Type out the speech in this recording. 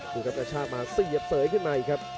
ดูครับกระชากมาเสียบเสยขึ้นมาอีกครับ